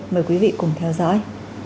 mời quý vị cùng theo dõi